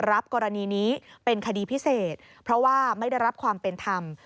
รับกรณีนี้เป็นคดีพิเศษเพราะว่าไม่ได้รับความเป็นธรรม